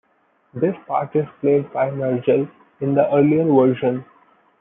This part is played by Nergal in the earlier version.